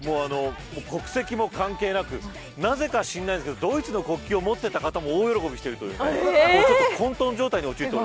国籍も関係なくなぜか知らないんですけどドイツの国旗を持っていた方も大喜びをしているという混沌状態でした。